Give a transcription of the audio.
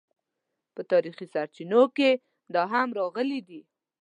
په تاریخي سرچینو کې دا هم راغلي دي.